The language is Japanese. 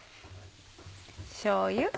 しょうゆ。